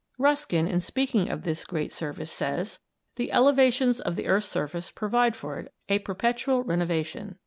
Ruskin, in speaking of this great service, says: "The elevations of the earth's surface provide for it a perpetual renovation.